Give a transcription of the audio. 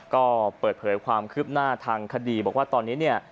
ก็เปิดเผยความคืบหน้าทางคดีบอกว่าตอนนี้เนี่ย